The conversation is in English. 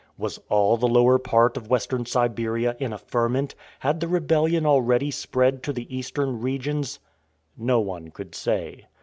Was all the lower part of Western Siberia in a ferment? Had the rebellion already spread to the eastern regions? No one could say.